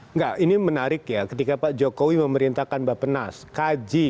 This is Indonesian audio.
enggak ini menarik ya ketika pak jokowi memerintahkan bapak nas kaji